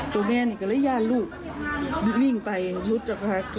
ตรงเนี่ยนี่ก็เลยย่าลูกบิ่งไปรุดจากภาพ